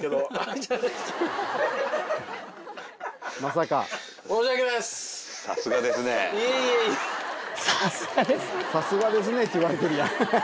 「さすがですね」って言われてるやん。